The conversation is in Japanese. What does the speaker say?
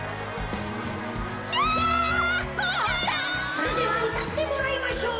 それではうたってもらいましょう。